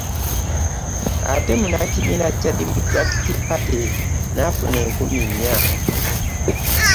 Ate munnakibiina kya Democratic Party n'afuna enkumi nnya